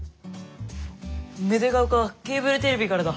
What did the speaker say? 芽出ヶ丘ケーブルテレビからだ。